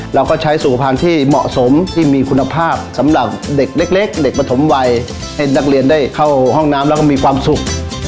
เด็กเล็กเด็กประถมวัยให้นักเรียนได้เข้าห้องน้ำแล้วก็มีความสุข